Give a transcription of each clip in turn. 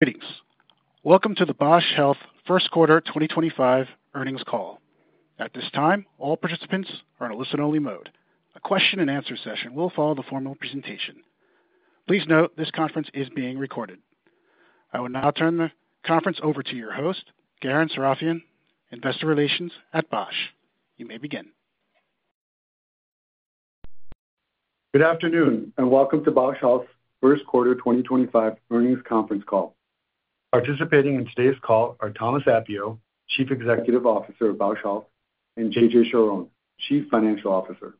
Greetings. Welcome to the Bausch Health first quarter 2025 earnings call. At this time, all participants are in a listen-only mode. A question-and-answer session will follow the formal presentation. Please note this conference is being recorded. I will now turn the conference over to your host, Garen Sarafian, Investor Relations at Bausch. You may begin. Good afternoon, and welcome to Bausch Health first quarter 2025 earnings conference call. Participating in today's call are Thomas Appio, Chief Executive Officer of Bausch Health, and JJ Charhon, Chief Financial Officer.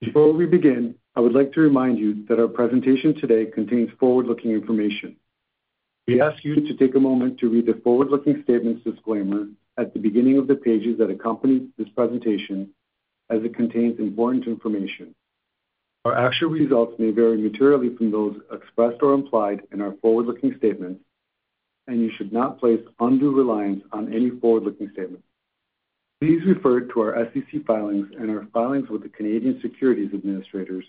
Before we begin, I would like to remind you that our presentation today contains forward-looking information. We ask you to take a moment to read the forward-looking statements disclaimer at the beginning of the pages that accompany this presentation, as it contains important information. Our actual results may vary materially from those expressed or implied in our forward-looking statements, and you should not place undue reliance on any forward-looking statements. Please refer to our SEC filings and our filings with the Canadian Securities Administrators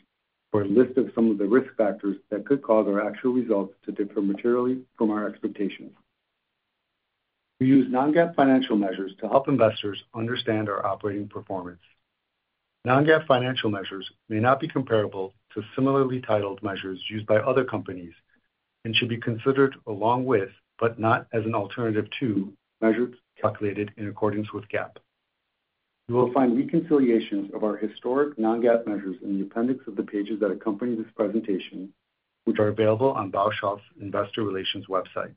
for a list of some of the risk factors that could cause our actual results to differ materially from our expectations. We use non-GAAP financial measures to help investors understand our operating performance. Non-GAAP financial measures may not be comparable to similarly titled measures used by other companies and should be considered along with, but not as an alternative to, measures calculated in accordance with GAAP. You will find reconciliations of our historic non-GAAP measures in the appendix of the pages that accompany this presentation, which are available on Bausch Health's Investor Relations website.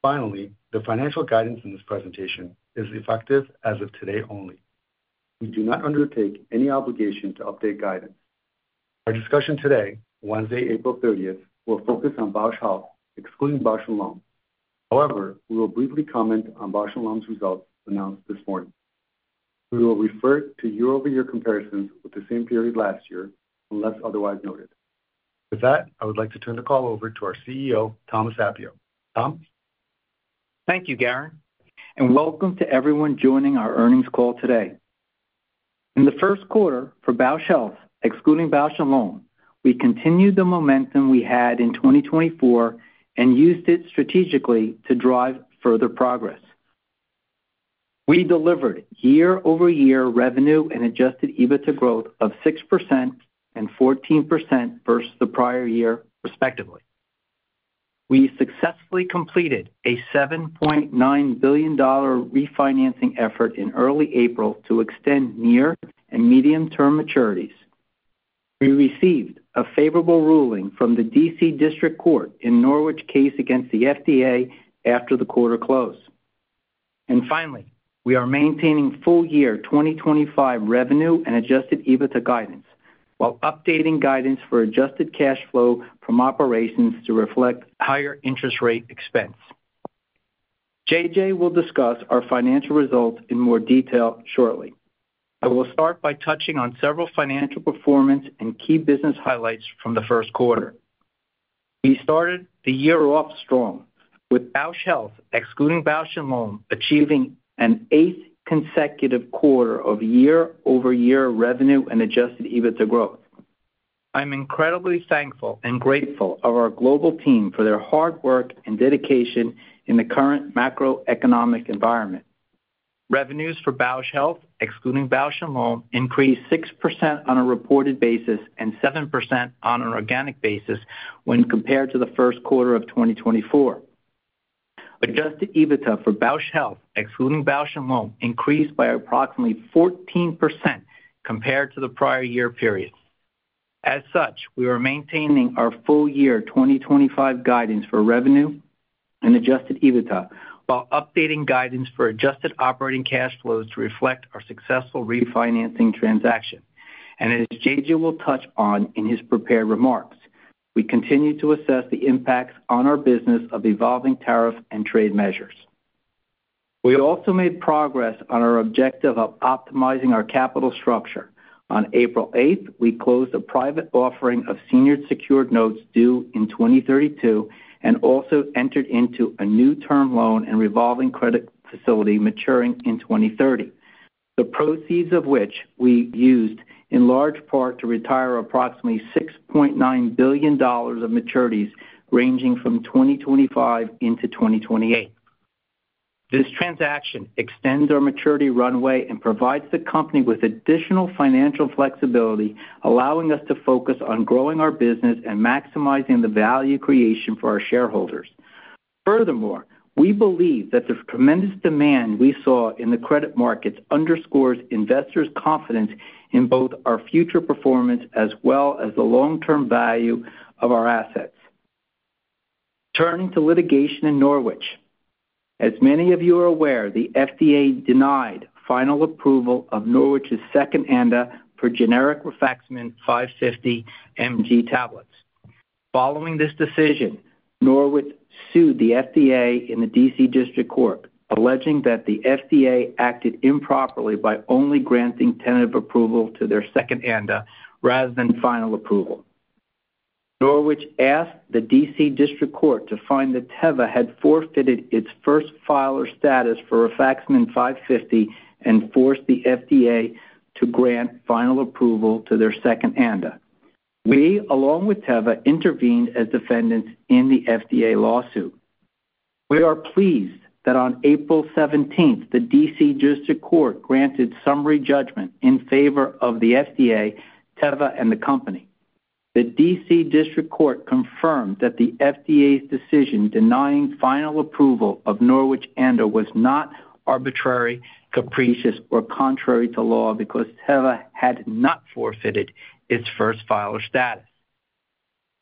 Finally, the financial guidance in this presentation is effective as of today only. We do not undertake any obligation to update guidance. Our discussion today, Wednesday, April 30th, will focus on Bausch Health, excluding Bausch + Lomb. However, we will briefly comment on Bausch + Lomb's results announced this morning. We will refer to year-over-year comparisons with the same period last year, unless otherwise noted. With that, I would like to turn the call over to our CEO, Thomas Appio. Tom. Thank you, Garen. Welcome to everyone joining our earnings call today. In the first quarter for Bausch Health, excluding Bausch + Lomb, we continued the momentum we had in 2024 and used it strategically to drive further progress. We delivered year-over-year revenue and adjusted EBITDA growth of 6% and 14% versus the prior year, respectively. We successfully completed a $7.9 billion refinancing effort in early April to extend near and medium-term maturities. We received a favorable ruling from the Washington, D.C. District Court in the Norwich case against the FDA after the quarter closed. Finally, we are maintaining full-year 2025 revenue and adjusted EBITDA guidance while updating guidance for adjusted cash flow from operations to reflect higher interest rate expense. JJ will discuss our financial results in more detail shortly. I will start by touching on several financial performance and key business highlights from the first quarter. We started the year off strong, with Bausch Health, excluding Bausch + Lomb, achieving an eighth consecutive quarter of year-over-year revenue and adjusted EBITDA growth. I'm incredibly thankful and grateful to our global team for their hard work and dedication in the current macroeconomic environment. Revenues for Bausch Health, excluding Bausch + Lomb, increased 6% on a reported basis and 7% on an organic basis when compared to the first quarter of 2024. Adjusted EBITDA for Bausch Health, excluding Bausch + Lomb, increased by approximately 14% compared to the prior year period. As such, we are maintaining our full-year 2025 guidance for revenue and adjusted EBITDA while updating guidance for adjusted operating cash flows to reflect our successful refinancing transaction. As JJ will touch on in his prepared remarks, we continue to assess the impacts on our business of evolving tariff and trade measures. We also made progress on our objective of optimizing our capital structure. On April 8th, we closed a private offering of senior secured notes due in 2032 and also entered into a new term loan and revolving credit facility maturing in 2030, the proceeds of which we used in large part to retire approximately $6.9 billion of maturities ranging from 2025 into 2028. This transaction extends our maturity runway and provides the company with additional financial flexibility, allowing us to focus on growing our business and maximizing the value creation for our shareholders. Furthermore, we believe that the tremendous demand we saw in the credit markets underscores investors' confidence in both our future performance as well as the long-term value of our assets. Turning to litigation in Norwich, as many of you are aware, the FDA denied final approval of Norwich's second amendment for generic Xifaxan 550 mg tablets. Following this decision, Norwich sued the FDA in the D.C. District Court, alleging that the FDA acted improperly by only granting tentative approval to their second amendment rather than final approval. Norwich asked the D.C. District Court to find that Teva had forfeited its first filer status for Xifaxan 550 and forced the FDA to grant final approval to their second amendment. We, along with Teva, intervened as defendants in the FDA lawsuit. We are pleased that on April 17th, the D.C. District Court granted summary judgment in favor of the FDA, Teva, and the company. The D.C. District Court confirmed that the FDA's decision denying final approval of Norwich amendment was not arbitrary, capricious, or contrary to law because Teva had not forfeited its first filer status.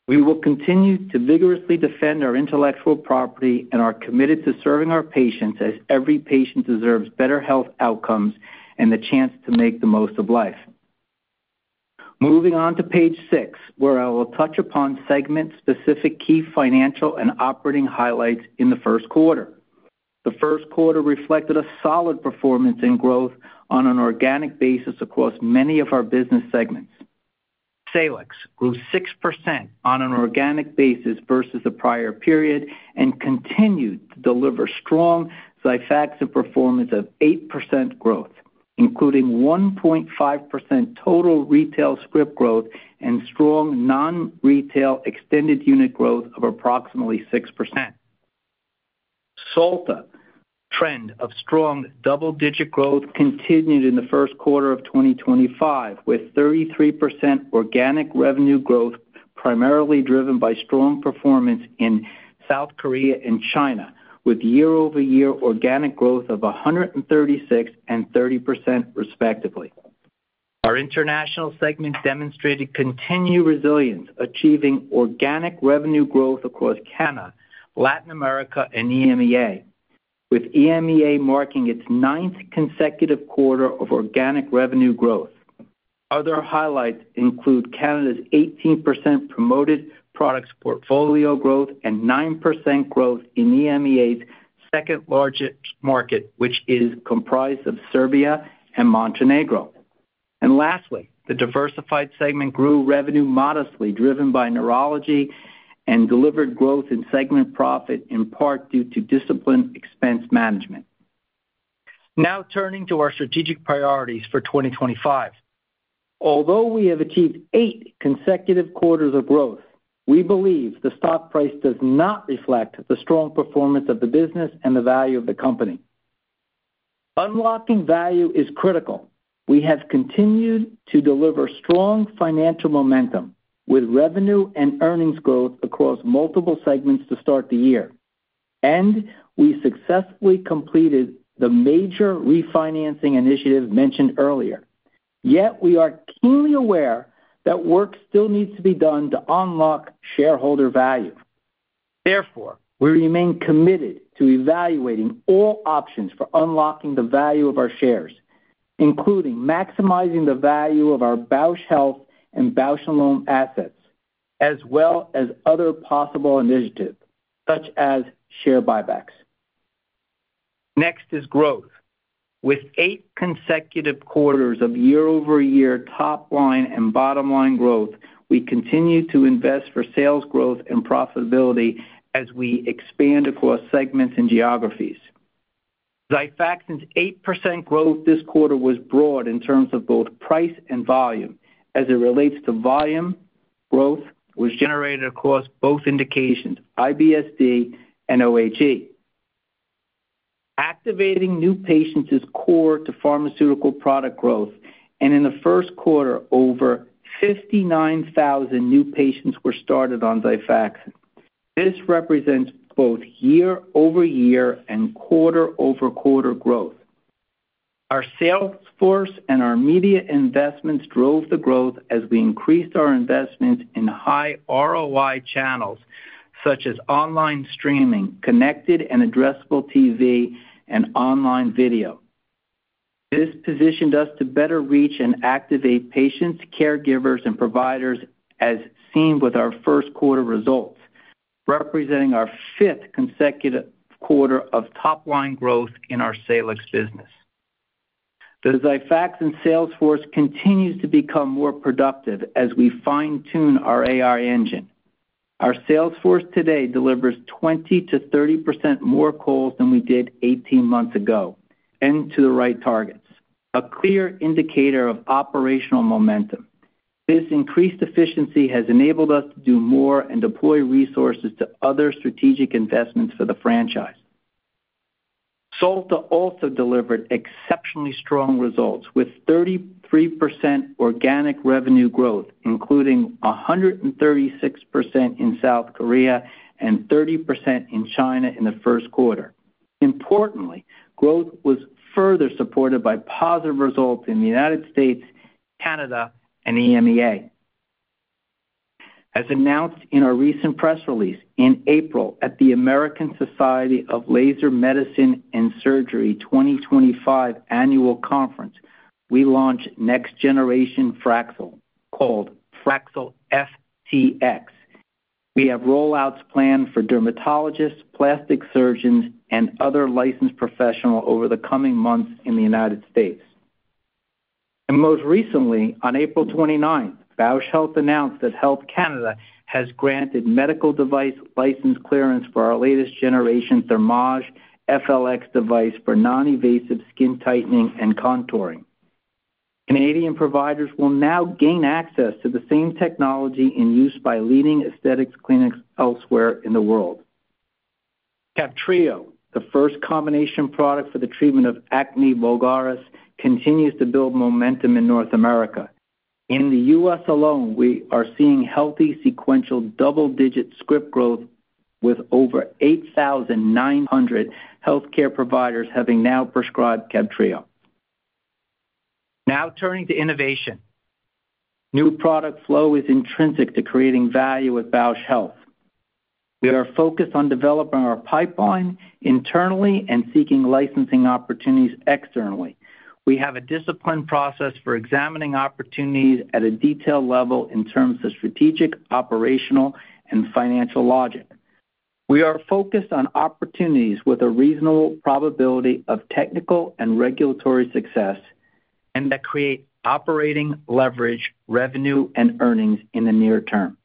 We will continue to vigorously defend our intellectual property and are committed to serving our patients as every patient deserves better health outcomes and the chance to make the most of life. Moving on to Page six, where I will touch upon segment-specific key financial and operating highlights in the first quarter. The first quarter reflected a solid performance and growth on an organic basis across many of our business segments. Salix grew 6% on an organic basis versus the prior period and continued to deliver strong Xifaxan performance of 8% growth, including 1.5% total retail script growth and strong non-retail extended unit growth of approximately 6%. Solta trend of strong double-digit growth continued in the first quarter of 2025, with 33% organic revenue growth primarily driven by strong performance in South Korea and China, with year-over-year organic growth of 136% and 30%, respectively. Our international segment demonstrated continued resilience, achieving organic revenue growth across Canada, Latin America, and EMEA, with EMEA marking its ninth consecutive quarter of organic revenue growth. Other highlights include Canada's 18% promoted products portfolio growth and 9% growth in EMEA's second largest market, which is comprised of Serbia and Montenegro. Lastly, the diversified segment grew revenue modestly, driven by neurology and delivered growth in segment profit, in part due to disciplined expense management. Now turning to our strategic priorities for 2025. Although we have achieved eight consecutive quarters of growth, we believe the stock price does not reflect the strong performance of the business and the value of the company. Unlocking value is critical. We have continued to deliver strong financial momentum with revenue and earnings growth across multiple segments to start the year. We successfully completed the major refinancing initiative mentioned earlier. Yet we are keenly aware that work still needs to be done to unlock shareholder value. Therefore, we remain committed to evaluating all options for unlocking the value of our shares, including maximizing the value of our Bausch Health and Bausch + Lomb assets, as well as other possible initiatives such as share buybacks. Next is growth. With eight consecutive quarters of year-over-year top-line and bottom-line growth, we continue to invest for sales growth and profitability as we expand across segments and geographies. Xifaxan's 8% growth this quarter was broad in terms of both price and volume, as it relates to volume growth. Was generated across both indications, IBS-D and OHE. Activating new patients is core to pharmaceutical product growth, and in the first quarter, over 59,000 new patients were started on Xifaxan. This represents both year-over-year and quarter-over-quarter growth. Our sales force and our media investments drove the growth as we increased our investments in high ROI channels such as online streaming, connected and addressable TV, and online video. This positioned us to better reach and activate patients, caregivers, and providers, as seen with our first quarter results, representing our fifth consecutive quarter of top-line growth in our Salix business. The Xifaxan sales force continues to become more productive as we fine-tune our AI engine. Our sales force today delivers 20%-30% more calls than we did 18 months ago, and to the right targets, a clear indicator of operational momentum. This increased efficiency has enabled us to do more and deploy resources to other strategic investments for the franchise. Solta also delivered exceptionally strong results with 33% organic revenue growth, including 136% in South Korea and 30% in China in the first quarter. Importantly, growth was further supported by positive results in the United States, Canada, and EMEA. As announced in our recent press release in April at the American Society of Laser Medicine and Surgery 2025 annual conference, we launched next-generation Fraxel called Fraxel FTX. We have rollouts planned for dermatologists, plastic surgeons, and other licensed professionals over the coming months in the United States. Most recently, on April 29th, Bausch Health announced that Health Canada has granted medical device license clearance for our latest generation Thermage FLX device for non-invasive skin tightening and contouring. Canadian providers will now gain access to the same technology in use by leading aesthetics clinics elsewhere in the world. CABTREO, the first combination product for the treatment of acne vulgaris, continues to build momentum in North America. In the U.S. Alone, we are seeing healthy sequential double-digit script growth with over 8,900 healthcare providers having now prescribed CABTREO. Now turning to innovation. New product flow is intrinsic to creating value with Bausch Health. We are focused on developing our pipeline internally and seeking licensing opportunities externally. We have a disciplined process for examining opportunities at a detailed level in terms of strategic, operational, and financial logic. We are focused on opportunities with a reasonable probability of technical and regulatory success and that create operating leverage, revenue, and earnings in the near term.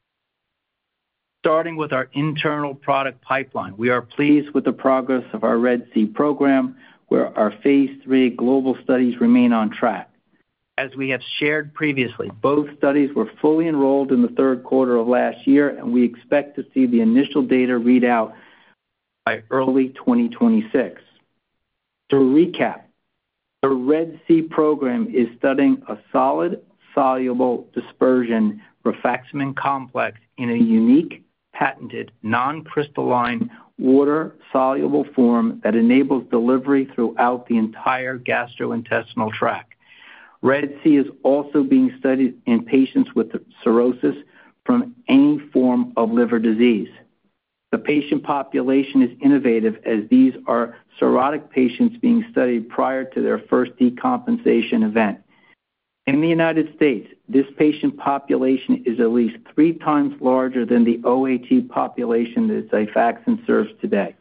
Starting with our internal product pipeline, we are pleased with the progress of our RED-C program, where our phase 3 global studies remain on track. As we have shared previously, both studies were fully enrolled in the third quarter of last year, and we expect to see the initial data readout by early 2026. To recap, the RED-C program is studying a solid, soluble dispersion rifaximin complex in a unique patented non-crystalline water-soluble form that enables delivery throughout the entire gastrointestinal tract. RED-C is also being studied in patients with cirrhosis from any form of liver disease. The patient population is innovative as these are cirrhotic patients being studied prior to their first decompensation event. In the United States, this patient population is at least three times larger than the OHE population that Xifaxan serves today.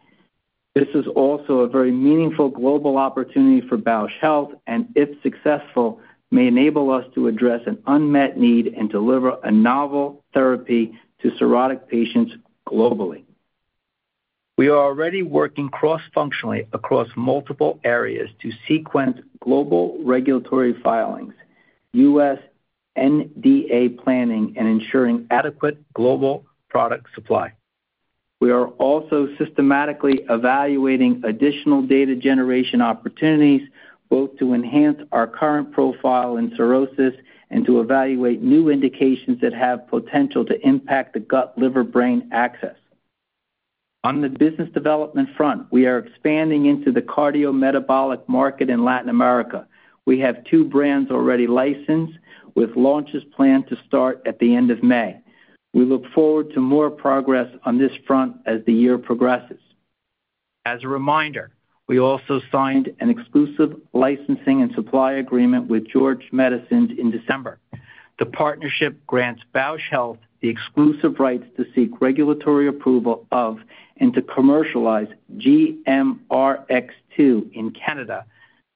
This is also a very meaningful global opportunity for Bausch Health, and if successful, may enable us to address an unmet need and deliver a novel therapy to cirrhotic patients globally. We are already working cross-functionally across multiple areas to sequence global regulatory filings, U.S. NDA planning, and ensuring adequate global product supply. We are also systematically evaluating additional data generation opportunities, both to enhance our current profile in cirrhosis and to evaluate new indications that have potential to impact the gut-liver-brain axis. On the business development front, we are expanding into the cardiometabolic market in Latin America. We have two brands already licensed, with launches planned to start at the end of May. We look forward to more progress on this front as the year progresses. As a reminder, we also signed an exclusive licensing and supply agreement with George Medicines in December. The partnership grants Bausch Health the exclusive rights to seek regulatory approval of and to commercialize GMRx2 in Canada,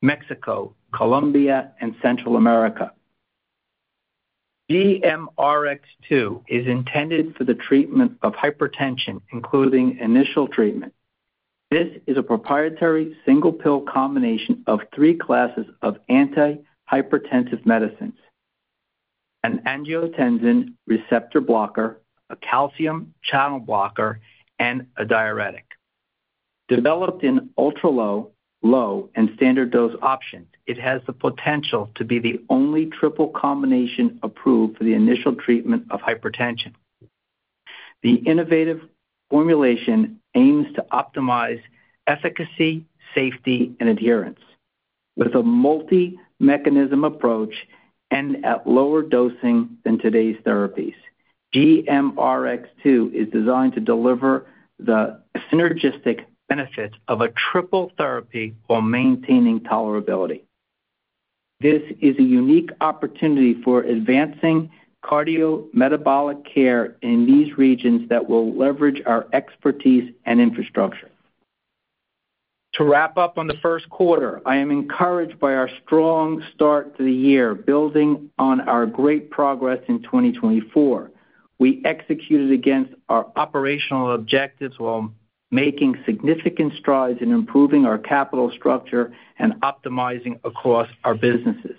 Mexico, Colombia, and Central America. GMRx2 is intended for the treatment of hypertension, including initial treatment. This is a proprietary single pill combination of three classes of antihypertensive medicines: an angiotensin receptor blocker, a calcium channel blocker, and a diuretic. Developed in ultra-low, low, and standard dose options, it has the potential to be the only triple combination approved for the initial treatment of hypertension. The innovative formulation aims to optimize efficacy, safety, and adherence. With a multi-mechanism approach and at lower dosing than today's therapies, GMRx2 is designed to deliver the synergistic benefit of a triple therapy while maintaining tolerability. This is a unique opportunity for advancing cardiometabolic care in these regions that will leverage our expertise and infrastructure. To wrap up on the first quarter, I am encouraged by our strong start to the year, building on our great progress in 2024. We executed against our operational objectives while making significant strides in improving our capital structure and optimizing across our businesses.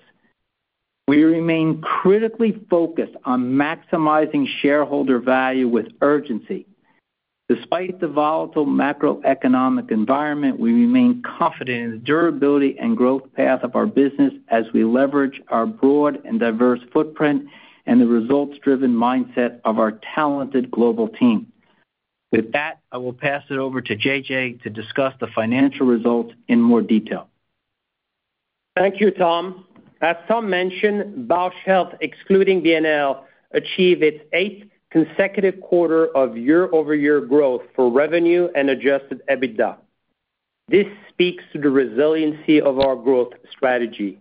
We remain critically focused on maximizing shareholder value with urgency. Despite the volatile macroeconomic environment, we remain confident in the durability and growth path of our business as we leverage our broad and diverse footprint and the results-driven mindset of our talented global team. With that, I will pass it over to JJ to discuss the financial results in more detail. Thank you, Tom. As Tom mentioned, Bausch Health, excluding Bausch + Lomb, achieved its eighth consecutive quarter of year-over-year growth for revenue and adjusted EBITDA. This speaks to the resiliency of our growth strategy.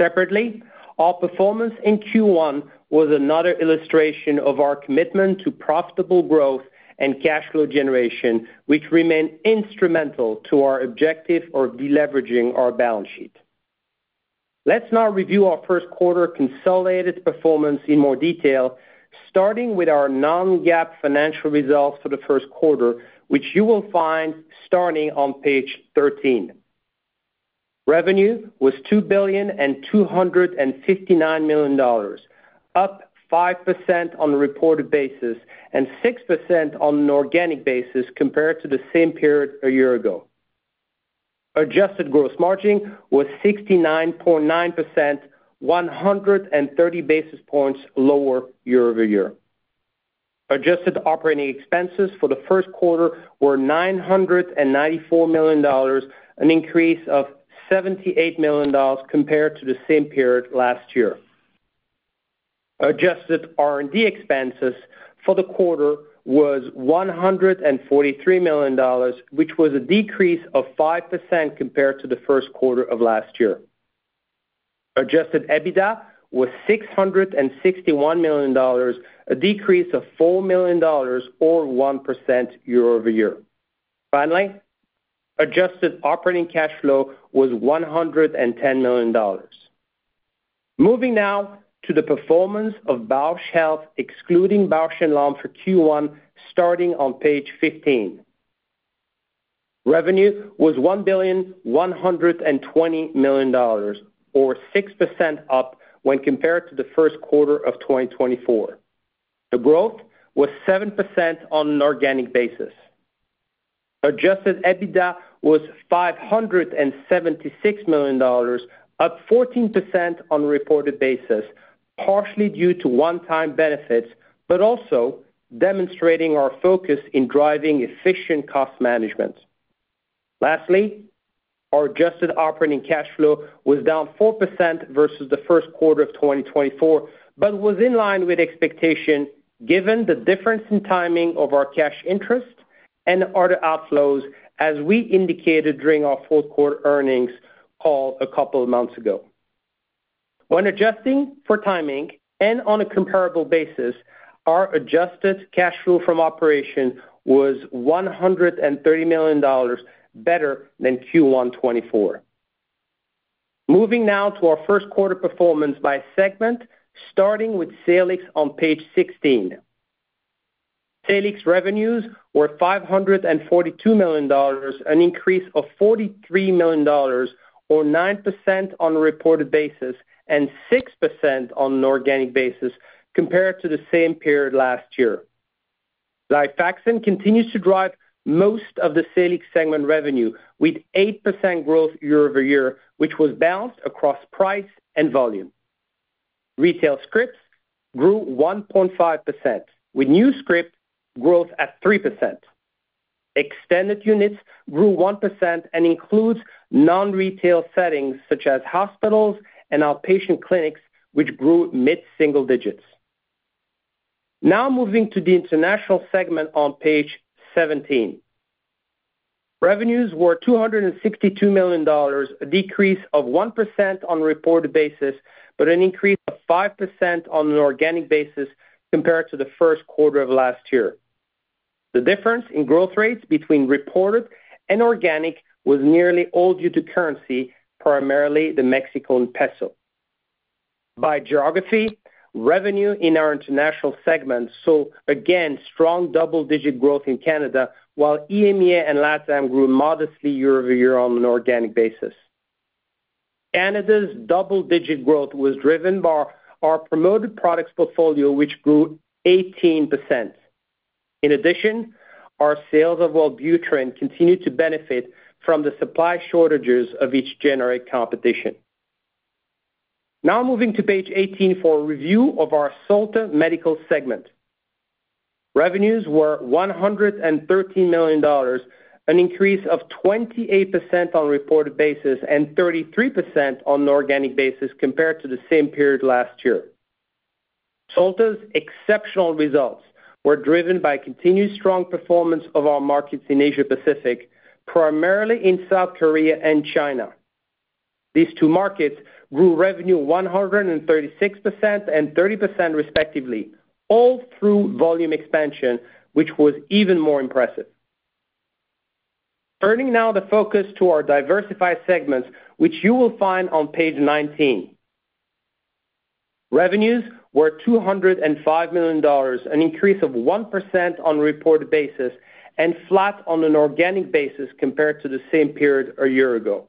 Separately, our performance in Q1 was another illustration of our commitment to profitable growth and cash flow generation, which remained instrumental to our objective of deleveraging our balance sheet. Let's now review our first quarter consolidated performance in more detail, starting with our non-GAAP financial results for the first quarter, which you will find starting on Page 13. Revenue was $2,259 million, up 5% on a reported basis and 6% on an organic basis compared to the same period a year ago. Adjusted gross margin was 69.9%, 130 basis points lower year-over-year. Adjusted operating expenses for the first quarter were $994 million, an increase of $78 million compared to the same period last year. Adjusted R&D expenses for the quarter were $143 million, which was a decrease of 5% compared to the first quarter of last year. Adjusted EBITDA was $661 million, a decrease of $4 million, or 1% year-over-year. Finally, adjusted operating cash flow was $110 million. Moving now to the performance of Bausch Health, excluding Bausch + Lomb for Q1, starting on Page 15. Revenue was $1,120 million, or 6% up when compared to the first quarter of 2024. The growth was 7% on an organic basis. Adjusted EBITDA was $576 million, up 14% on a reported basis, partially due to one-time benefits, but also demonstrating our focus in driving efficient cost management. Lastly, our adjusted operating cash flow was down 4% versus the first quarter of 2024, but was in line with expectation given the difference in timing of our cash interest and other outflows, as we indicated during our fourth quarter earnings call a couple of months ago. When adjusting for timing and on a comparable basis, our adjusted cash flow from operation was $130 million better than Q1 2024. Moving now to our first quarter performance by segment, starting with Salix on Page 16. Salix revenues were $542 million, an increase of $43 million, or 9% on a reported basis and 6% on an organic basis compared to the same period last year. Xifaxan continues to drive most of the Salix segment revenue, with 8% growth year-over-year, which was balanced across price and volume. Retail scripts grew 1.5%, with new script growth at 3%. Extended units grew 1% and include non-retail settings such as hospitals and outpatient clinics, which grew mid-single digits. Now moving to the international segment on Page 17. Revenues were $262 million, a decrease of 1% on a reported basis, but an increase of 5% on an organic basis compared to the first quarter of last year. The difference in growth rates between reported and organic was nearly all due to currency, primarily the Mexican peso. By geography, revenue in our international segment saw, again, strong double-digit growth in Canada, while EMEA and LATAM grew modestly year-over-year on an organic basis. Canada's double-digit growth was driven by our promoted products portfolio, which grew 18%. In addition, our sales of Wellbutrin continued to benefit from the supply shortages of its generic competition. Now moving to page 18 for a review of our Solta Medical segment. Revenues were $113 million, an increase of 28% on a reported basis and 33% on an organic basis compared to the same period last year. Solta's exceptional results were driven by continued strong performance of our markets in Asia-Pacific, primarily in South Korea and China. These two markets grew revenue 136% and 30% respectively, all through volume expansion, which was even more impressive. Turning now the focus to our Diversified segments, which you will find on Page 19. Revenues were $205 million, an increase of 1% on a reported basis and flat on an organic basis compared to the same period a year ago.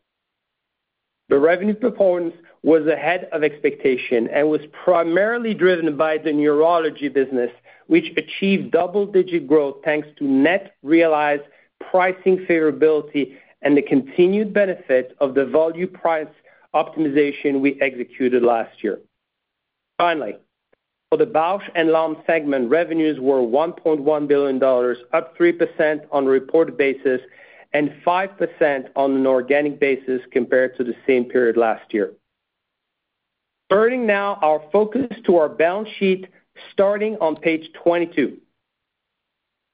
The revenue performance was ahead of expectation and was primarily driven by the neurology business, which achieved double-digit growth thanks to net realized pricing favorability and the continued benefit of the volume price optimization we executed last year. Finally, for the Bausch + Lomb segment, revenues were $1.1 billion, up 3% on a reported basis and 5% on an organic basis compared to the same period last year. Turning now our focus to our balance sheet, starting on page 22.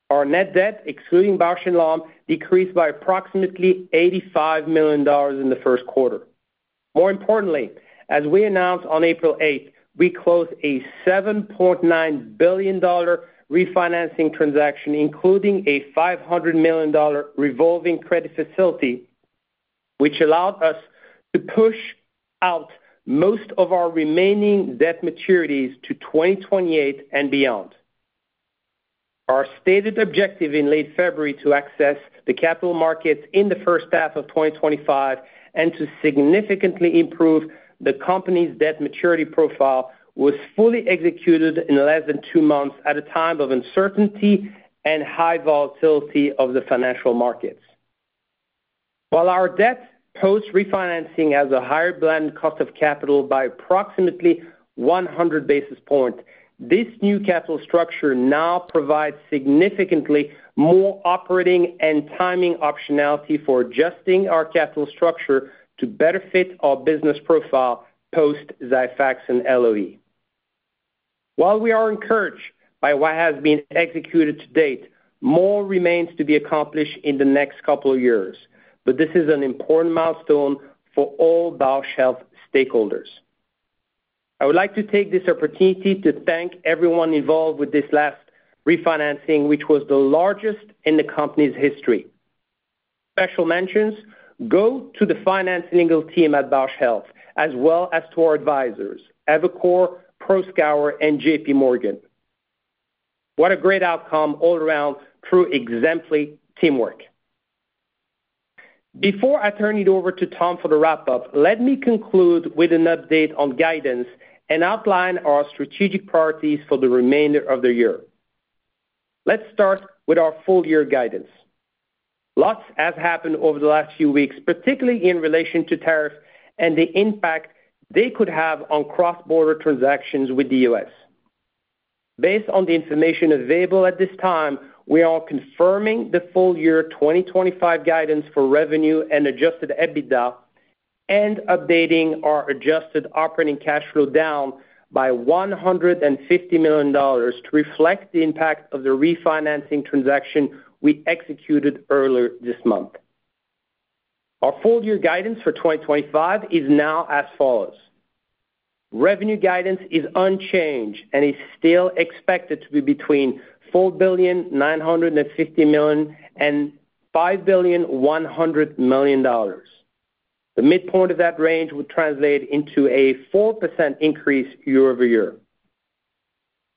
Our net debt, excluding Bausch + Lomb, decreased by approximately $85 million in the first quarter. More importantly, as we announced on April 8th, we closed a $7.9 billion refinancing transaction, including a $500 million revolving credit facility, which allowed us to push out most of our remaining debt maturities to 2028 and beyond. Our stated objective in late February to access the capital markets in the first half of 2025 and to significantly improve the company's debt maturity profile was fully executed in less than two months at a time of uncertainty and high volatility of the financial markets. While our debt post-refinancing has a higher blended cost of capital by approximately 100 basis points, this new capital structure now provides significantly more operating and timing optionality for adjusting our capital structure to better fit our business profile post-Xifaxan LOE. While we are encouraged by what has been executed to date, more remains to be accomplished in the next couple of years, but this is an important milestone for all Bausch Health stakeholders. I would like to take this opportunity to thank everyone involved with this last refinancing, which was the largest in the company's history. Special mentions go to the finance and legal team at Bausch Health, as well as to our advisors: Evercore, Proskauer, and J.P. Morgan. What a great outcome all around through exemplary teamwork. Before I turn it over to Tom for the wrap-up, let me conclude with an update on guidance and outline our strategic priorities for the remainder of the year. Let's start with our full-year guidance. Lots has happened over the last few weeks, particularly in relation to tariffs and the impact they could have on cross-border transactions with the U.S. Based on the information available at this time, we are confirming the full-year 2025 guidance for revenue and adjusted EBITDA and updating our adjusted operating cash flow down by $150 million to reflect the impact of the refinancing transaction we executed earlier this month. Our full-year guidance for 2025 is now as follows. Revenue guidance is unchanged and is still expected to be between $4,950 million and $5,100 million. The midpoint of that range would translate into a 4% increase year-over-year.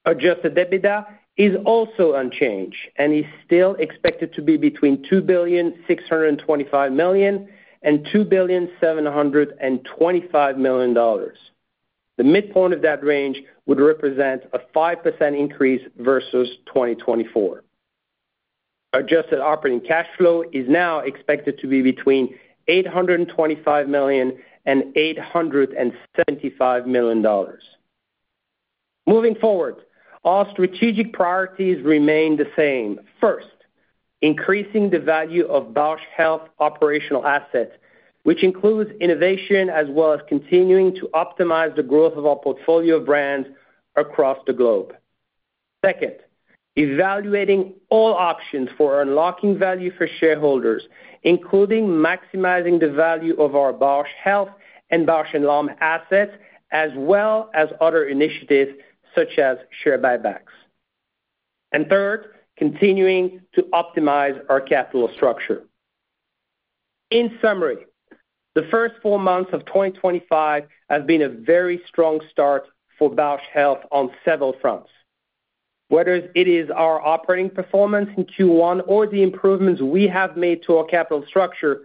Adjusted EBITDA is also unchanged and is still expected to be between $2,625 million and $2,725 million. The midpoint of that range would represent a 5% increase versus 2024. Adjusted operating cash flow is now expected to be between $825 million and $875 million. Moving forward, our strategic priorities remain the same. First, increasing the value of Bausch Health operational assets, which includes innovation as well as continuing to optimize the growth of our portfolio of brands across the globe. Second, evaluating all options for unlocking value for shareholders, including maximizing the value of our Bausch Health and Bausch + Lomb assets, as well as other initiatives such as share buybacks. Third, continuing to optimize our capital structure. In summary, the first four months of 2025 have been a very strong start for Bausch Health on several fronts. Whether it is our operating performance in Q1 or the improvements we have made to our capital structure,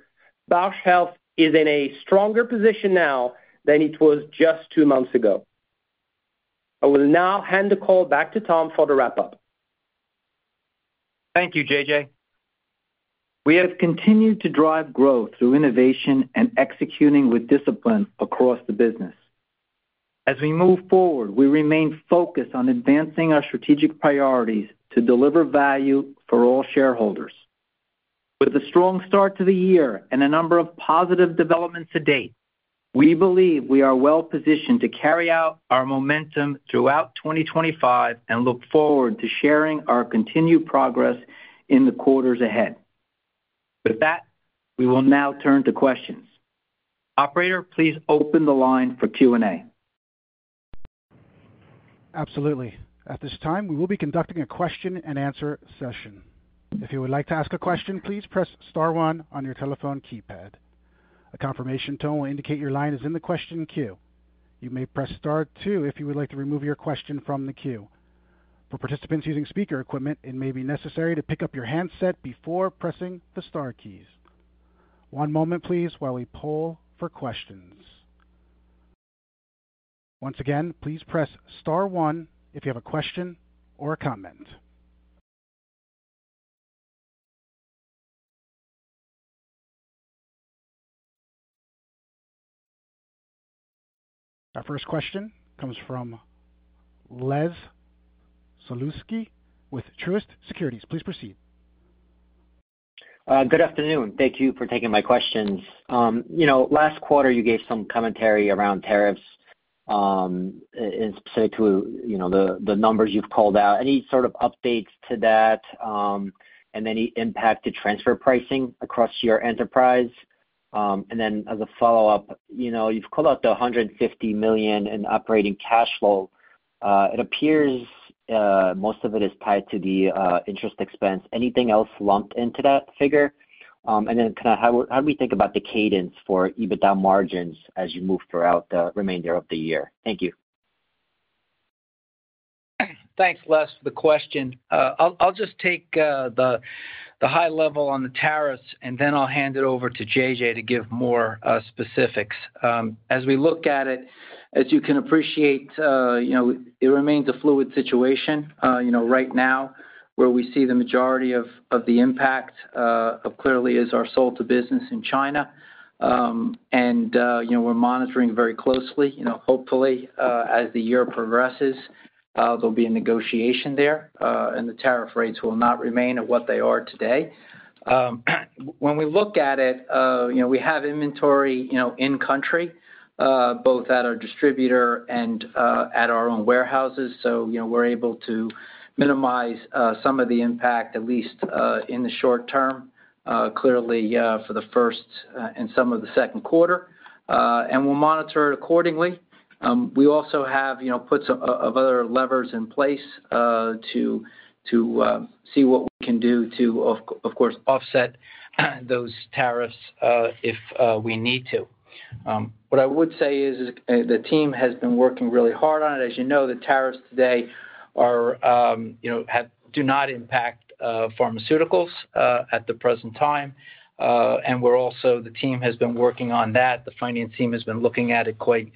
Bausch Health is in a stronger position now than it was just two months ago. I will now hand the call back to Tom for the wrap-up. Thank you, JJ. We have continued to drive growth through innovation and executing with discipline across the business. As we move forward, we remain focused on advancing our strategic priorities to deliver value for all shareholders. With a strong start to the year and a number of positive developments to date, we believe we are well-positioned to carry out our momentum throughout 2025 and look forward to sharing our continued progress in the quarters ahead. With that, we will now turn to questions. Operator, please open the line for Q&A. Absolutely. At this time, we will be conducting a question-and-answer session. If you would like to ask a question, please press Star one on your telephone keypad. A confirmation tone will indicate your line is in the question queue. You may press Star two if you would like to remove your question from the queue. For participants using speaker equipment, it may be necessary to pick up your handset before pressing the Star keys. One moment, please, while we poll for questions. Once again, please press Star one if you have a question or a comment. Our first question comes from Les Sulewski with Truist Securities. Please proceed. Good afternoon. Thank you for taking my questions. Last quarter, you gave some commentary around tariffs and specific to the numbers you've called out. Any sort of updates to that and any impact to transfer pricing across your enterprise? As a follow-up, you've called out the $150 million in operating cash flow. It appears most of it is tied to the interest expense. Anything else lumped into that figure? How do we think about the cadence for EBITDA margins as you move throughout the remainder of the year? Thank you. Thanks, Les, for the question. I'll just take the high level on the tariffs, and then I'll hand it over to JJ to give more specifics. As we look at it, as you can appreciate, it remains a fluid situation right now where we see the majority of the impact clearly is our solta business in China. We are monitoring very closely. Hopefully, as the year progresses, there'll be a negotiation there, and the tariff rates will not remain at what they are today. When we look at it, we have inventory in-country, both at our distributor and at our own warehouses. We're able to minimize some of the impact, at least in the short-term, clearly for the first and some of the second quarter. We'll monitor it accordingly. We also have puts of other levers in place to see what we can do to, of course, offset those tariffs if we need to. What I would say is the team has been working really hard on it. As you know, the tariffs today do not impact pharmaceuticals at the present time. We're also, the team has been working on that. The finance team has been looking at it quite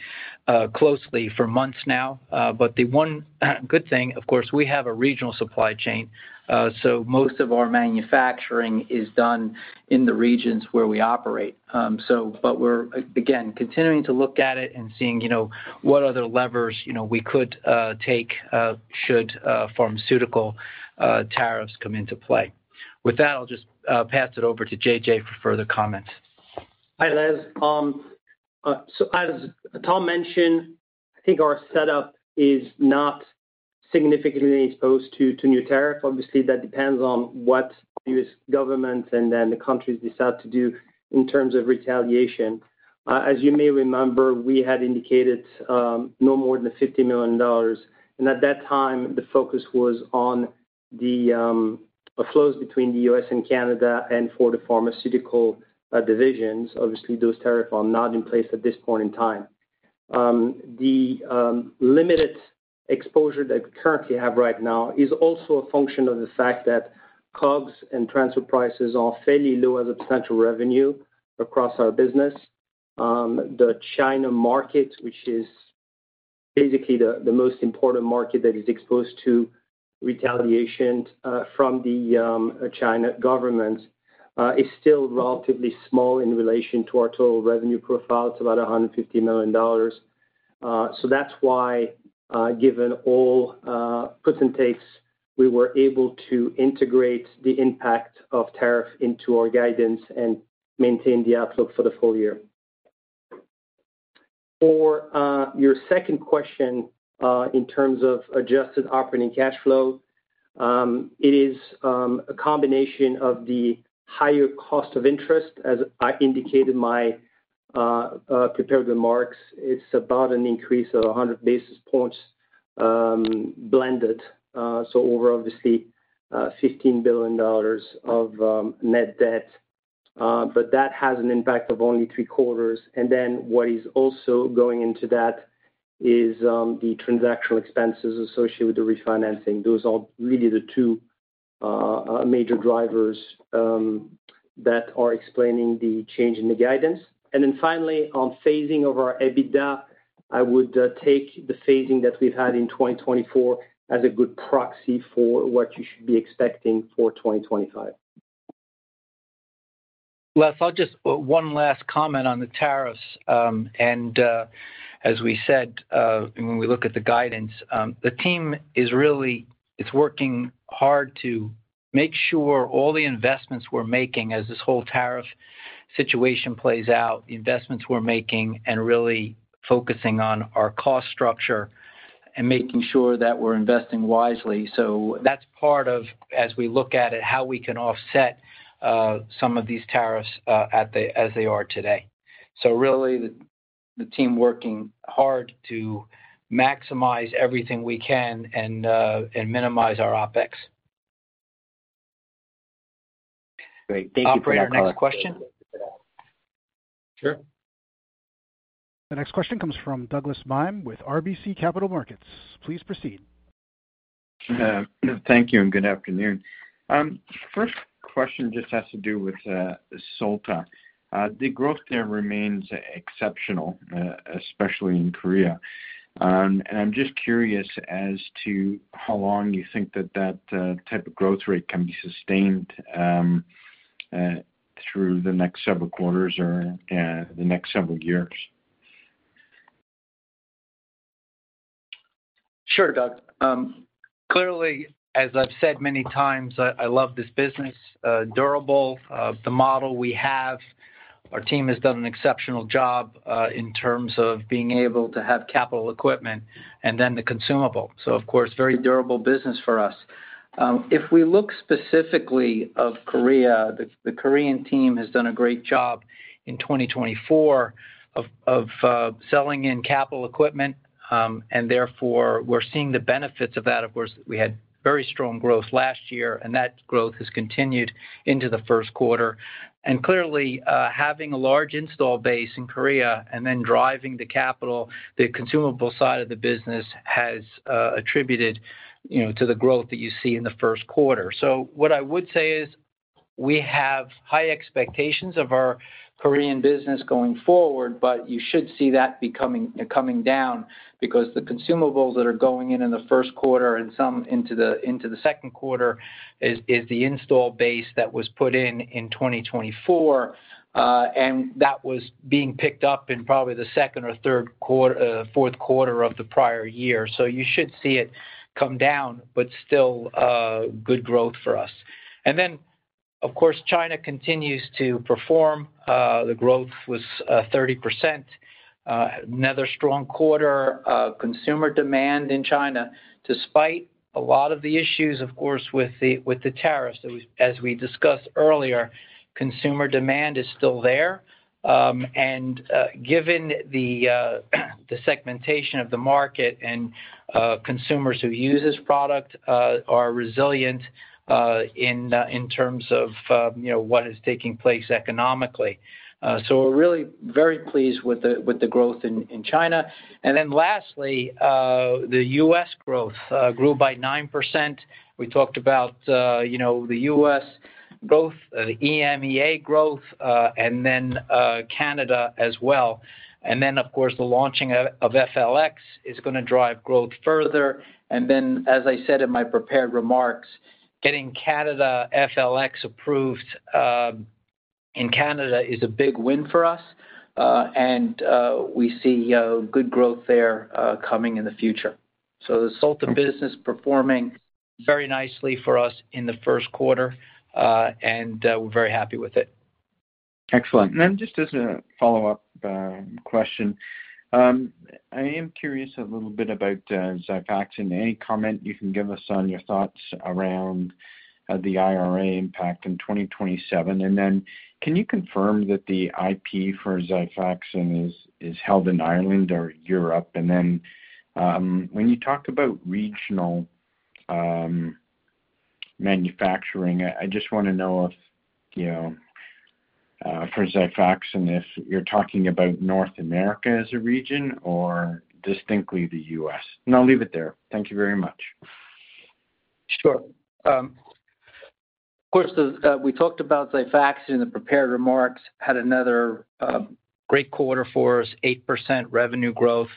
closely for months now. The one good thing, of course, we have a regional supply chain. Most of our manufacturing is done in the regions where we operate. We're, again, continuing to look at it and seeing what other levers we could take should pharmaceutical tariffs come into play. With that, I'll just pass it over to JJ for further comments. Hi, Les. As Tom mentioned, I think our setup is not significantly exposed to new tariffs. Obviously, that depends on what the U.S. government and then the countries decide to do in terms of retaliation. As you may remember, we had indicated no more than $50 million. At that time, the focus was on the flows between the U.S. and Canada and for the pharmaceutical divisions. Obviously, those tariffs are not in place at this point in time. The limited exposure that we currently have right now is also a function of the fact that COGS and transfer prices are fairly low as a potential revenue across our business. The China market, which is basically the most important market that is exposed to retaliation from the China government, is still relatively small in relation to our total revenue profile. It's about $150 million. That's why, given all puts and takes, we were able to integrate the impact of tariff into our guidance and maintain the outlook for the full year. For your second question in terms of adjusted operating cash flow, it is a combination of the higher cost of interest, as I indicated in my prepared remarks. It's about an increase of 100 basis points blended. Over, obviously, $15 billion of net debt. That has an impact of only three quarters. What is also going into that is the transactional expenses associated with the refinancing. Those are really the two major drivers that are explaining the change in the guidance. Finally, on phasing of our EBITDA, I would take the phasing that we've had in 2024 as a good proxy for what you should be expecting for 2025. Les, I'll just one last comment on the tariffs. As we said, when we look at the guidance, the team is really working hard to make sure all the investments we're making as this whole tariff situation plays out, the investments we're making, and really focusing on our cost structure and making sure that we're investing wisely. That is part of, as we look at it, how we can offset some of these tariffs as they are today. Really, the team working hard to maximize everything we can and minimize our OpEx. Great. Thank you Operator next question. Sure. The next question comes from Douglas Miehm with RBC Capital Markets. Please proceed. Thank you and good afternoon. First question just has to do with Solta. The growth there remains exceptional, especially in Korea. I'm just curious as to how long you think that that type of growth rate can be sustained through the next several quarters or the next several years. Sure, Doug. Clearly, as I've said many times, I love this business. Durable, the model we have, our team has done an exceptional job in terms of being able to have capital equipment and then the consumable. Of course, very durable business for us. If we look specifically at Korea, the Korean team has done a great job in 2024 of selling in capital equipment, and therefore, we're seeing the benefits of that. We had very strong growth last year, and that growth has continued into the first quarter. Clearly, having a large install base in Korea and then driving the capital, the consumable side of the business has attributed to the growth that you see in the first quarter. What I would say is we have high expectations of our Korean business going forward, but you should see that coming down because the consumables that are going in in the first quarter and some into the second quarter is the install base that was put in in 2024, and that was being picked up in probably the second or third quarter, fourth quarter of the prior year. You should see it come down, but still good growth for us. Of course, China continues to perform. The growth was 30%. Another strong quarter of consumer demand in China, despite a lot of the issues with the tariffs. As we discussed earlier, consumer demand is still there. Given the segmentation of the market and consumers who use this product are resilient in terms of what is taking place economically. We are really very pleased with the growth in China. Lastly, the U.S. growth grew by 9%. We talked about the U.S. growth, the EMEA growth, and then Canada as well. Of course, the launching of FLX is going to drive growth further. As I said in my prepared remarks, getting FLX approved in Canada is a big win for us. We see good growth there coming in the future. The Solta business is performing very nicely for us in the first quarter, and we're very happy with it. Excellent. Just as a follow-up question, I am curious a little bit about Xifaxan. Any comment you can give us on your thoughts around the IRA impact in 2027? Can you confirm that the IP for Xifaxan is held in Ireland or Europe? When you talk about regional manufacturing, I just want to know if for Xifaxan, you're talking about North America as a region or distinctly the U.S. I'll leave it there. Thank you very much. Sure. Of course, we talked about Xifaxan in the prepared remarks, had another great quarter for us, 8% revenue growth,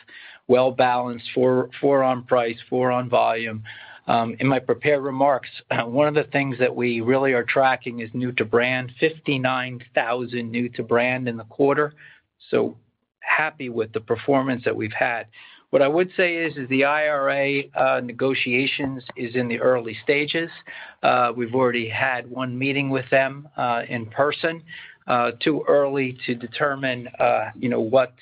well-balanced, four on price, four on volume. In my prepared remarks, one of the things that we really are tracking is new-to-brand, 59,000 new-to-brand in the quarter. So happy with the performance that we've had. What I would say is the IRA negotiations is in the early stages. We've already had one meeting with them in person, too early to determine what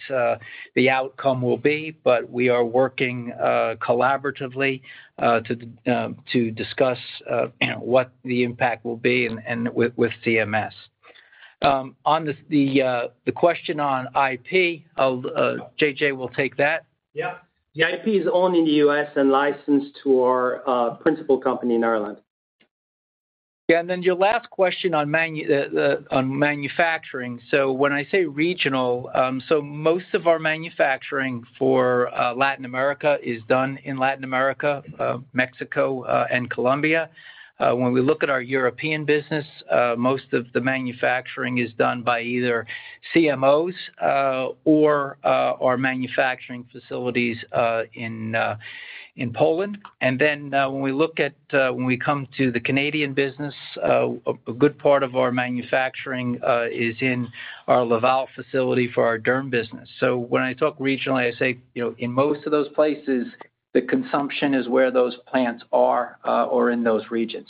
the outcome will be, but we are working collaboratively to discuss what the impact will be with CMS. On the question on IP, JJ will take that. Yep. The IP is owned in the U.S. and licensed to our principal company in Ireland. Yeah. And then your last question on manufacturing. When I say regional, most of our manufacturing for Latin America is done in Latin America, Mexico, and Colombia. When we look at our European business, most of the manufacturing is done by either CMOs or our manufacturing facilities in Poland. When we look at when we come to the Canadian business, a good part of our manufacturing is in our Laval facility for our derm business. When I talk regionally, I say in most of those places, the consumption is where those plants are or in those regions.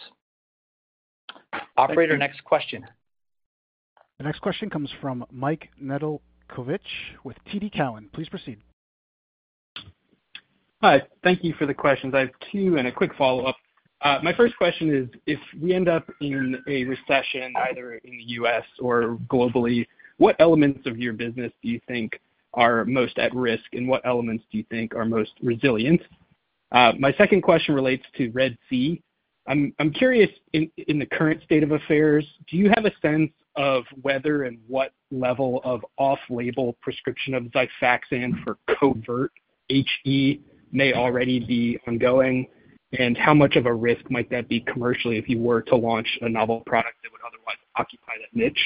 Operator, next question. The next question comes from Mike Nedelcovych with TD Cowen. Please proceed. Hi. Thank you for the questions. I have two and a quick follow-up. My first question is, if we end up in a recession, either in the U.S. or globally, what elements of your business do you think are most at risk, and what elements do you think are most resilient? My second question relates to RED-C. I'm curious, in the current state of affairs, do you have a sense of whether and what level of off-label prescription of Xifaxan for covert HE may already be ongoing, and how much of a risk might that be commercially if you were to launch a novel product that would otherwise occupy that niche?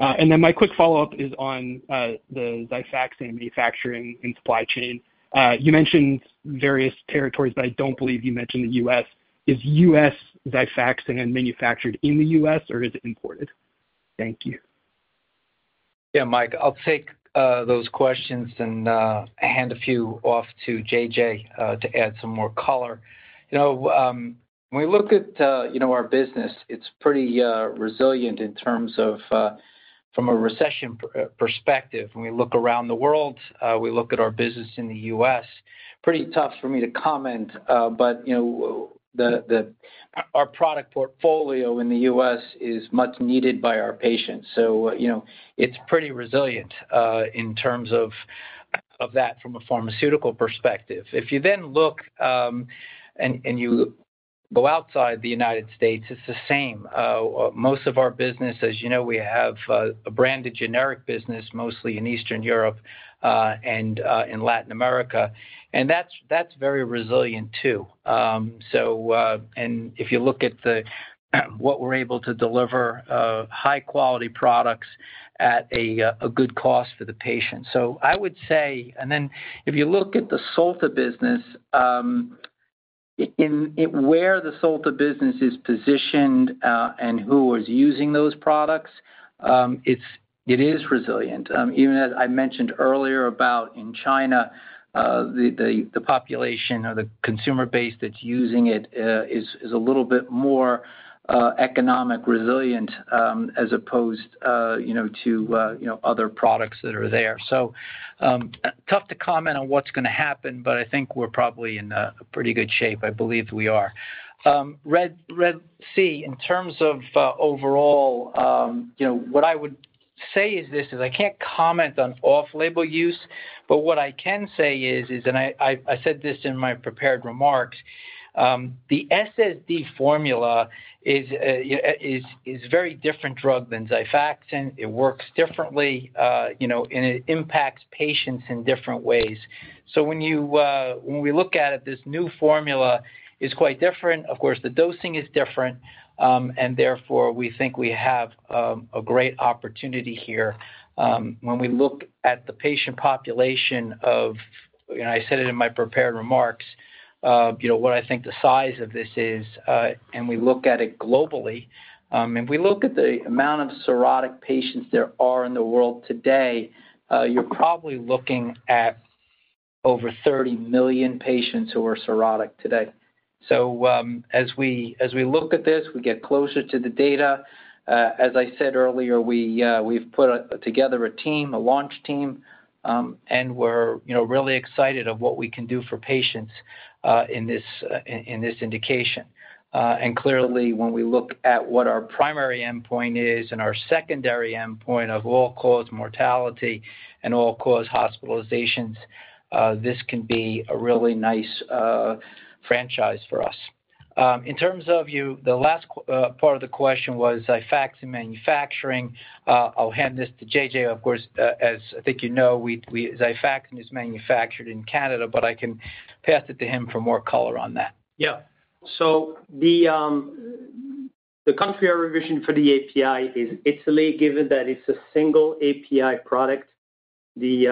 My quick follow-up is on the Xifaxan manufacturing and supply chain. You mentioned various territories, but I don't believe you mentioned the U.S. Is U.S. Xifaxan manufactured in the U.S., or is it imported? Thank you. Yeah, Mike, I'll take those questions and hand a few off to JJ to add some more color. When we look at our business, it's pretty resilient in terms of from a recession perspective. When we look around the world, we look at our business in the U.S., pretty tough for me to comment, but our product portfolio in the U.S. is much needed by our patients. It is pretty resilient in terms of that from a pharmaceutical perspective. If you then look and you go outside the United States, it is the same. Most of our business, as you know, we have a branded generic business mostly in Eastern Europe and in Latin America. That is very resilient too. If you look at what we are able to deliver, high-quality products at a good cost for the patient. I would say, if you look at the Solta business, where the Solta business is positioned and who is using those products, it is resilient. Even as I mentioned earlier about in China, the population or the consumer base that's using it is a little bit more economic resilient as opposed to other products that are there. Tough to comment on what's going to happen, but I think we're probably in pretty good shape. I believe we are. RED-C, in terms of overall, what I would say is this: I can't comment on off-label use, but what I can say is, and I said this in my prepared remarks, the SSD formula is a very different drug than Xifaxan. It works differently, and it impacts patients in different ways. When we look at it, this new formula is quite different. Of course, the dosing is different, and therefore, we think we have a great opportunity here. When we look at the patient population of, and I said it in my prepared remarks, what I think the size of this is, and we look at it globally, and we look at the amount of cirrhotic patients there are in the world today, you're probably looking at over 30 million patients who are cirrhotic today. As we look at this, we get closer to the data. As I said earlier, we've put together a team, a launch team, and we're really excited about what we can do for patients in this indication. Clearly, when we look at what our primary endpoint is and our secondary endpoint of all-cause mortality and all-cause hospitalizations, this can be a really nice franchise for us. In terms of the last part of the question was Xifaxan manufacturing, I'll hand this to JJ. Of course, as I think you know, Xifaxan is manufactured in Canada, but I can pass it to him for more color on that. Yeah. The country I'm revisioning for the API is Italy, given that it's a single API product. The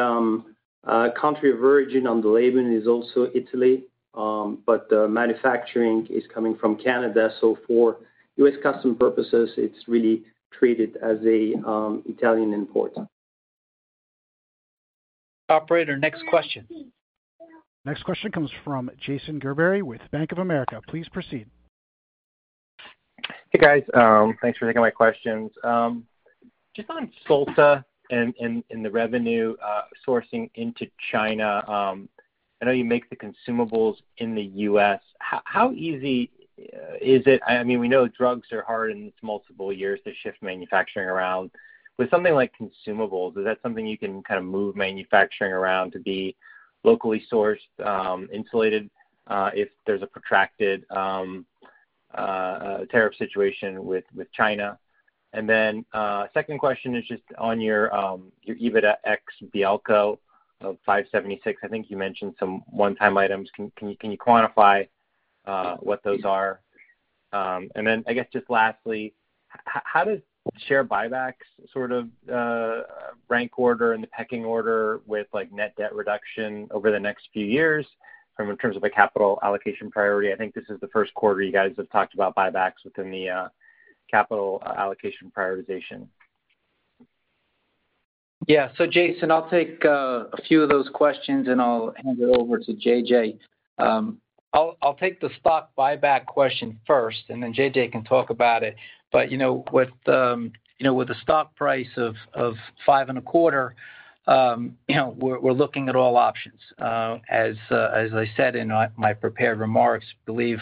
country of origin on the label is also Italy, but the manufacturing is coming from Canada. For U.S. customs purposes, it's really treated as an Italian import. Operator, next question. Next question comes from Jason Gerberry with Bank of America. Please proceed. Hey, guys. Thanks for taking my questions. Just on Solta and the revenue sourcing into China, I know you make the consumables in the U.S. How easy is it? I mean, we know drugs are hard, and it's multiple years to shift manufacturing around. With something like consumables, is that something you can kind of move manufacturing around to be locally sourced, insulated if there's a protracted tariff situation with China? Second question is just on your EBITDA ex BLCO of $576. I think you mentioned some one-time items. Can you quantify what those are? I guess just lastly, how does share buybacks sort of rank order in the pecking order with net debt reduction over the next few years in terms of a capital allocation priority? I think this is the first quarter you guys have talked about buybacks within the capital allocation prioritization. Yeah. Jason, I'll take a few of those questions, and I'll hand it over to JJ. I'll take the stock buyback question first, and then JJ can talk about it. With the stock price of $5.25, we're looking at all options. As I said in my prepared remarks, I believe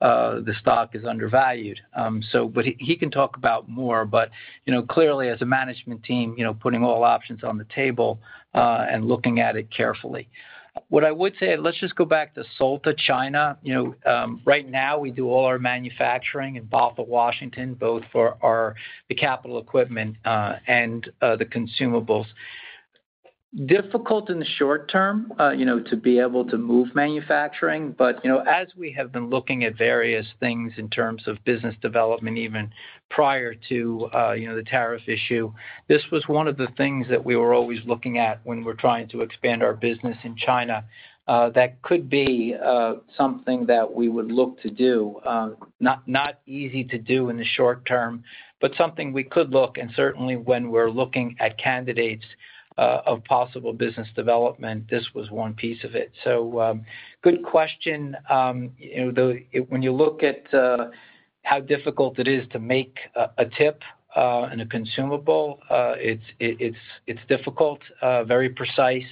the stock is undervalued. He can talk about more. Clearly, as a management team, putting all options on the table and looking at it carefully. What I would say, let's just go back to Solta China. Right now, we do all our manufacturing in Bothell, Washington, both for the capital equipment and the consumables. Difficult in the short term to be able to move manufacturing, but as we have been looking at various things in terms of business development, even prior to the tariff issue, this was one of the things that we were always looking at when we're trying to expand our business in China that could be something that we would look to do. Not easy to do in the short term, but something we could look. Certainly, when we're looking at candidates of possible business development, this was one piece of it. Good question. When you look at how difficult it is to make a tip in a consumable, it's difficult, very precise.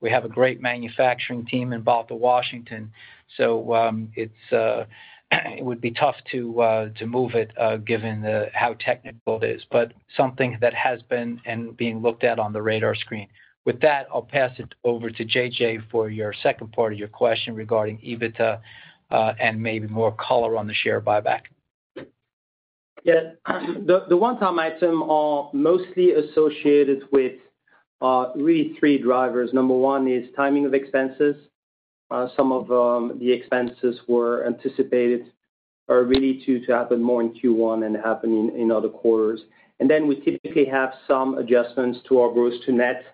We have a great manufacturing team in Bothell, Washington. It would be tough to move it given how technical it is, but something that has been and being looked at on the radar screen. With that, I'll pass it over to JJ.for your second part of your question regarding EBITDA and maybe more color on the share buyback. The one-time item are mostly associated with really three drivers. Number one is timing of expenses. Some of the expenses were anticipated or really to happen more in Q1 and happen in other quarters. We typically have some adjustments to our gross to net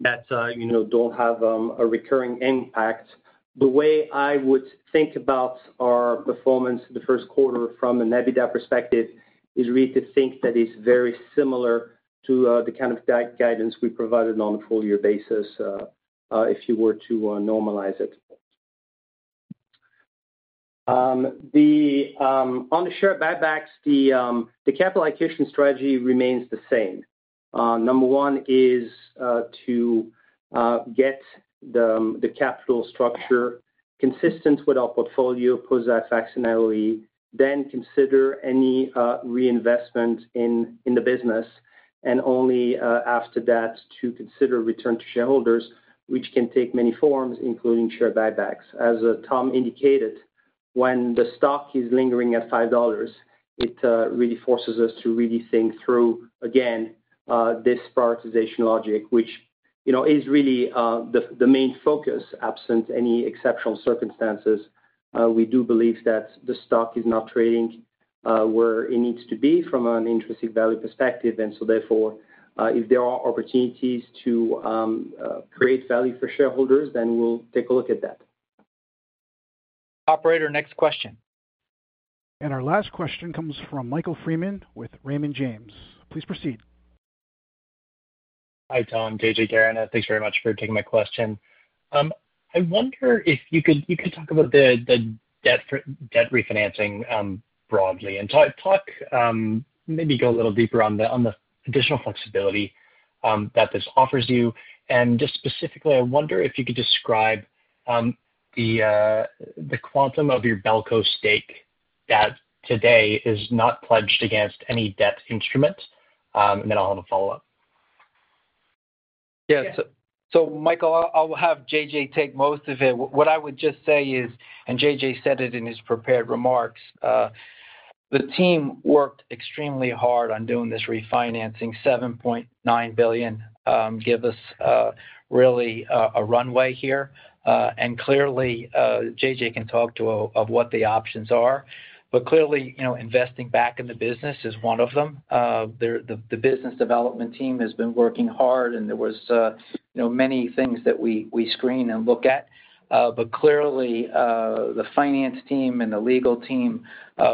that do not have a recurring impact. The way I would think about our performance the first quarter from an EBITDA perspective is really to think that it is very similar to the kind of guidance we provided on a full-year basis if you were to normalize it. On the share buybacks, the capital allocation strategy remains the same. Number one is to get the capital structure consistent with our portfolio, post-Xifaxan LOE, then consider any reinvestment in the business. Only after that to consider return to shareholders, which can take many forms, including share buybacks. As Tom indicated, when the stock is lingering at $5, it really forces us to really think through, again, this prioritization logic, which is really the main focus absent any exceptional circumstances. We do believe that the stock is not trading where it needs to be from an intrinsic value perspective. Therefore, if there are opportunities to create value for shareholders, then we'll take a look at that. Operator, next question. Our last question comes from Michael Freeman with Raymond James. Please proceed. Hi, Tom. JJ Charhon. Thanks very much for taking my question. I wonder if you could talk about the debt refinancing broadly and maybe go a little deeper on the additional flexibility that this offers you. Just specifically, I wonder if you could describe the quantum of your Bausch + Lomb stake that today is not pledged against any debt instrument. I'll have a follow-up. Yeah. Michael, I'll have JJ take most of it. What I would just say is, and JJ said it in his prepared remarks, the team worked extremely hard on doing this refinancing. $7.9 billion gave us really a runway here. Clearly, JJ can talk to what the options are. Clearly, investing back in the business is one of them. The business development team has been working hard, and there were many things that we screened and looked at. Clearly, the finance team and the legal team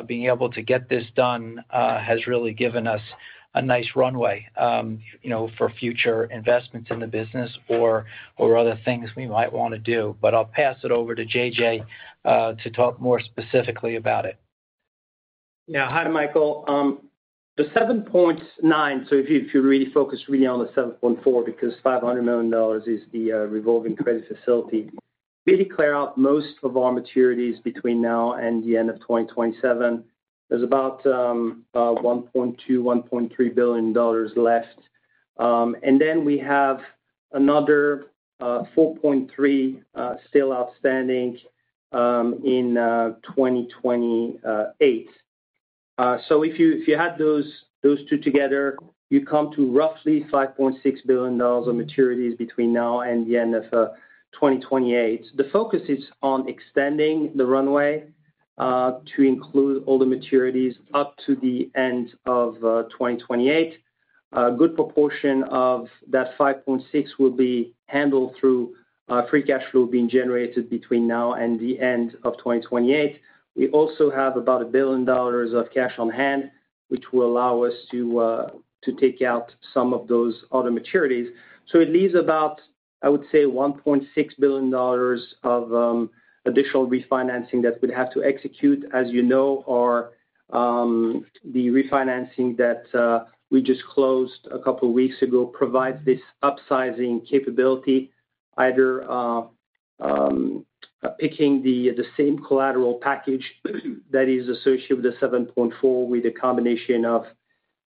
being able to get this done has really given us a nice runway for future investments in the business or other things we might want to do. I'll pass it over to JJ to talk more specifically about it. Yeah. Hi, Michael. The $7.9 billion, so if you really focus really on the $7.4 billion because $500 million is the revolving credit facility, we declare out most of our maturities between now and the end of 2027. There is about $1.2 billion-$1.3 billion left. And then we have another $4.3 billion still outstanding in 2028. If you add those two together, you come to roughly $5.6 billion of maturities between now and the end of 2028. The focus is on extending the runway to include all the maturities up to the end of 2028. A good proportion of that $5.6 billion will be handled through free cash flow being generated between now and the end of 2028. We also have about $1 billion of cash on hand, which will allow us to take out some of those other maturities. It leaves about, I would say, $1.6 billion of additional refinancing that we'd have to execute. As you know, the refinancing that we just closed a couple of weeks ago provides this upsizing capability, either picking the same collateral package that is associated with the $7.4 billion with a combination of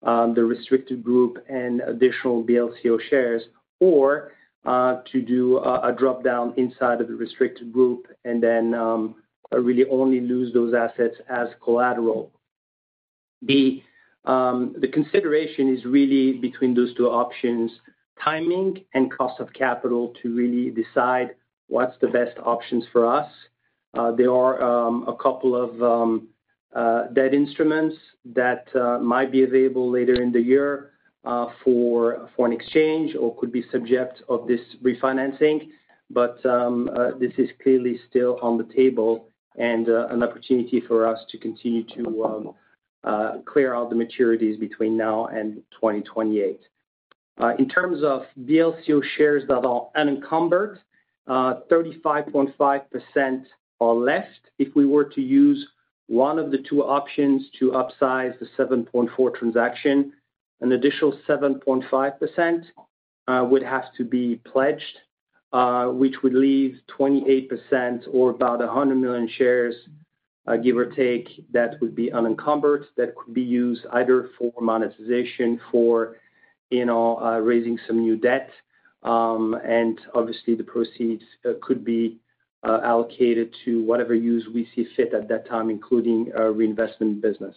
the restricted group and additional BLCO shares, or to do a dropdown inside of the restricted group and then really only lose those assets as collateral. The consideration is really between those two options: timing and cost of capital to really decide what's the best options for us. There are a couple of debt instruments that might be available later in the year for an exchange or could be subject to this refinancing. This is clearly still on the table and an opportunity for us to continue to clear out the maturities between now and 2028. In terms of BLCO shares that are unencumbered, 35.5% are left. If we were to use one of the two options to upsize the 7.4 transaction, an additional 7.5% would have to be pledged, which would leave 28% or about 100 million shares, give or take, that would be unencumbered that could be used either for monetization or for raising some new debt. Obviously, the proceeds could be allocated to whatever use we see fit at that time, including a reinvestment in the business.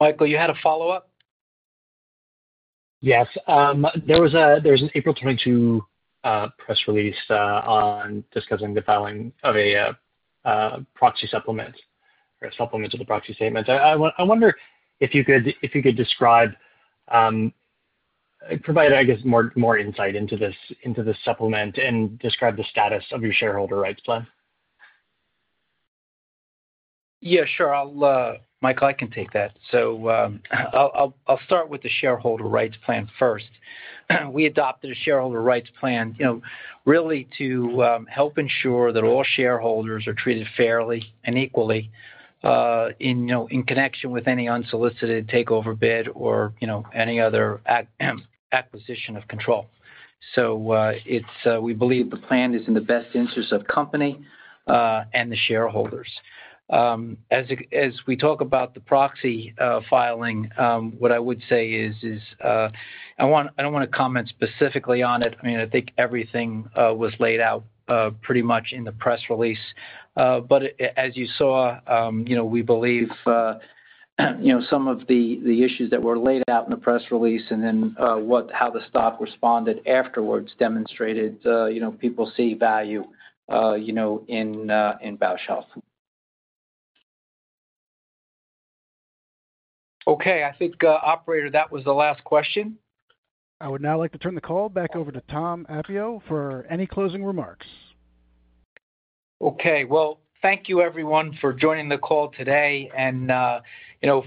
Michael, you had a follow-up? Yes. There was an April 22 press release discussing the filing of a proxy supplement or supplement to the proxy statement. I wonder if you could describe and provide, I guess, more insight into this supplement and describe the status of your shareholder rights plan. Yeah. Sure. Michael, I can take that. I'll start with the shareholder rights plan first. We adopted a shareholder rights plan really to help ensure that all shareholders are treated fairly and equally in connection with any unsolicited takeover bid or any other acquisition of control. We believe the plan is in the best interest of the company and the shareholders. As we talk about the proxy filing, what I would say is I do not want to comment specifically on it. I mean, I think everything was laid out pretty much in the press release. As you saw, we believe some of the issues that were laid out in the press release and then how the stock responded afterwards demonstrated people see value in Bausch Health. Okay. I think, Operator, that was the last question. I would now like to turn the call back over to Tom Appio for any closing remarks. Okay. Thank you, everyone, for joining the call today and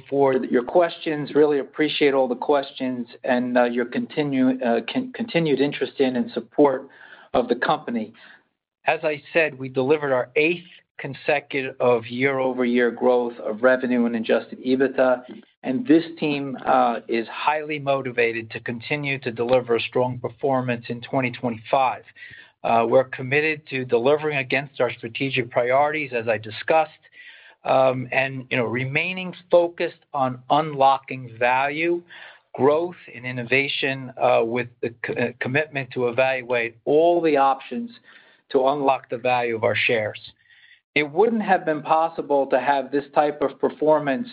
for your questions. Really appreciate all the questions and your continued interest in and support of the company. As I said, we delivered our eighth consecutive year-over-year growth of revenue and adjusted EBITDA. This team is highly motivated to continue to deliver a strong performance in 2025. We're committed to delivering against our strategic priorities, as I discussed, and remaining focused on unlocking value, growth, and innovation with the commitment to evaluate all the options to unlock the value of our shares. It would not have been possible to have this type of performance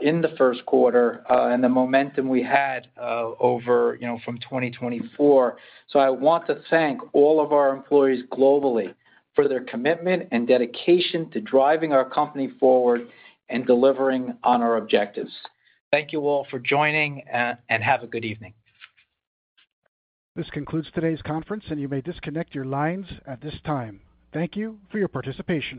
in the first quarter and the momentum we had from 2024. I want to thank all of our employees globally for their commitment and dedication to driving our company forward and delivering on our objectives. Thank you all for joining, and have a good evening. This concludes today's conference, and you may disconnect your lines at this time. Thank you for your participation.